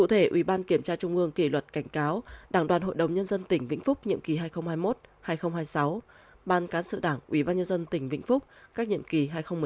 tỉnh vĩnh phúc nhiệm kỳ hai nghìn hai mươi một hai nghìn hai mươi sáu ban cán sự đảng ủy ban nhân dân tỉnh vĩnh phúc các nhiệm kỳ hai nghìn một mươi sáu hai nghìn hai mươi một hai nghìn hai mươi một hai nghìn hai mươi sáu